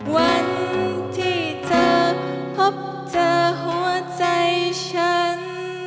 วันที่เธอพบเจอหัวใจฉัน